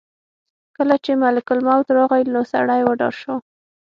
کله چې ملک الموت راغی نو سړی وډار شو.